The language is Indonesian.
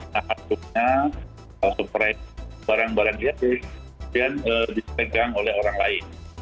maka tentunya harus merek barang barang dia dan disegang oleh orang lain